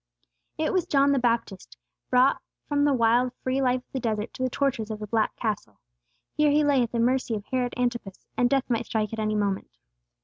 It was John Baptist, brought from the wild, free life of the desert to the tortures of the "Black Castle." Here he lay at the mercy of Herod Antipas, and death might strike at any moment.